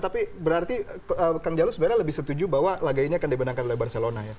tapi berarti kang jalul sebenarnya lebih setuju bahwa laga ini akan dibenangkan oleh barcelona ya